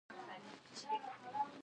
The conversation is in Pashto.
خر وویل چې زما ژوند تر اس غوره دی.